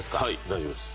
大丈夫です。